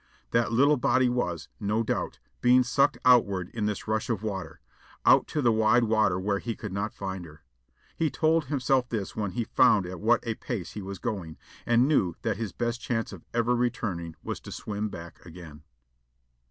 That little body was, no doubt, being sucked outward in this rush of water out to the wide water where he could not find her. He told himself this when he found at what a pace he was going, and knew that his best chance of ever returning was to swim back again.